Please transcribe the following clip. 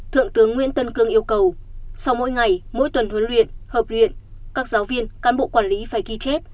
thượng tướng nguyễn tân cương yêu cầu sau mỗi ngày mỗi tuần huấn luyện hợp luyện các giáo viên cán bộ quản lý phải ghi chép